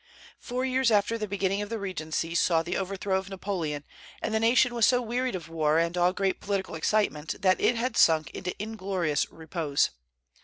Four years after the beginning of the regency saw the overthrow of Napoleon, and the nation was so wearied of war and all great political excitement that it had sunk to inglorious repose.